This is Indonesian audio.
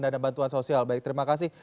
dana bantuan sosial baik terima kasih